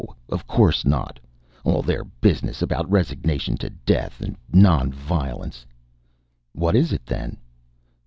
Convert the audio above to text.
Of course not. All their business about resignation to death, non violence " "What is it, then?"